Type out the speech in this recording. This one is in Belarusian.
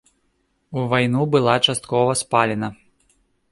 У вайну была часткова спалена.